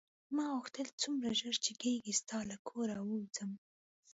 ما غوښتل څومره ژر چې کېږي ستا له کوره ووځم.